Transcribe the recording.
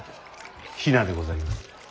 比奈でございます。